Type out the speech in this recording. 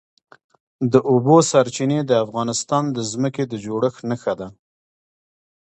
د اوبو سرچینې د افغانستان د ځمکې د جوړښت نښه ده.